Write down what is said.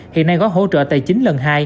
hiện nay có hỗ trợ tài chính lần hai